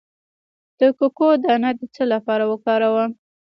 د کوکو دانه د څه لپاره وکاروم؟